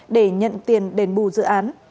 để nhận tiền đền bù dự án